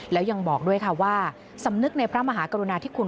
แล้วยังบอกด้วยค่ะว่าสำนึกในพระมหากรุณาธิคุณ